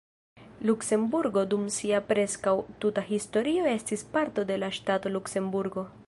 Luksemburgo dum sia preskaŭ tuta historio estis parto de la ŝtato Luksemburgo.